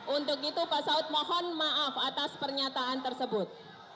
untuk itu pak saud mohon maaf atas pernyataan tersebut